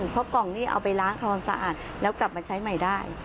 เพราะกล่องนี้เอาไปล้างทำความสะอาดแล้วกลับมาใช้ใหม่ได้